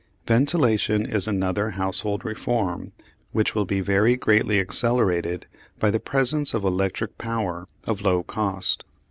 Ventilation is another household reform which will be very greatly accelerated by the presence of electric power of low cost.